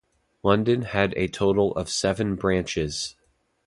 London had a total of seven branches.